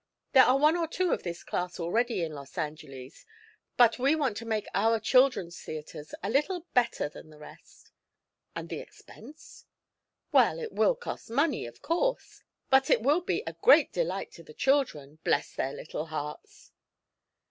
There are one or two of this class already in Los Angeles, but we want to make our children's theatres a little better than the best." "And the expense?" "Well, it will cost money, of course. But it will be a great delight to the children bless their little hearts!"